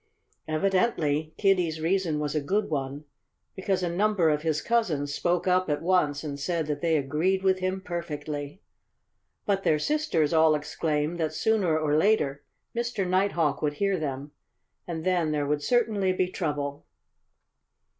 Evidently Kiddie's reason was a good one, because a number of his cousins spoke up at once and said that they agreed with him perfectly. But their sisters all exclaimed that sooner or later Mr. Nighthawk would hear them; and then there would certainly be trouble.